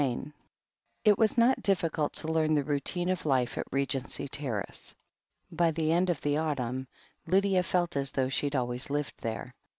II It was not difficult to learn the routine of life at R^jency Terrace. By the end of the autumn Lydia felt as though she had always lived there.